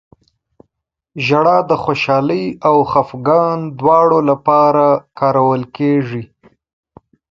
• ژړا د خوشحالۍ او خفګان دواړو لپاره کارول کېږي.